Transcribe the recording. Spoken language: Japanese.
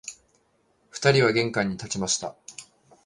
二人は玄関に立ちました